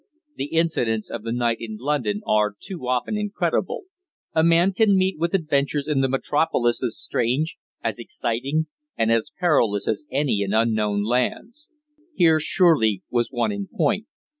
The incidents of the night in London are too often incredible. A man can meet with adventures in the metropolis as strange, as exciting and as perilous as any in unknown lands. Here, surely, was one in point.